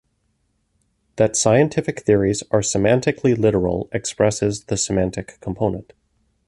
That scientific theories are semantically literal expresses the semantic component.